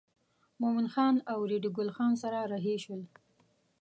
مومن خان او ریډي ګل خان سره رهي شول.